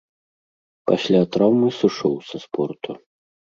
Пасля траўмы сышоў са спорту.